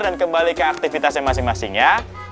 dan kembali ke aktivitasnya masing masing ya